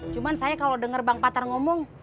cuman saya kalau denger bang patar ngomong